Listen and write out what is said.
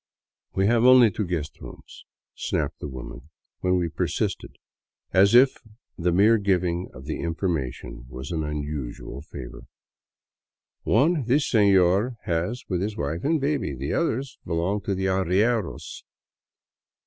" We have only two guest rooms," snapped the woman, when we persisted, as if the mere giving of the information was an unusual favor. " One this senor has with his wife and baby. The other belongs to the arrieros."